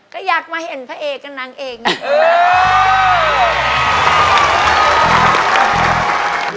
ก็อยากมาเห็นพระเอกกับนางเอกนะ